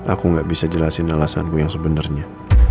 aku gak bisa jelasin alasanku yang sebenarnya